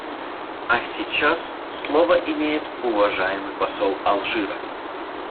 А сейчас слово имеет уважаемый посол Алжира.